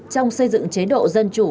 trong xây dựng chế độ dân chủ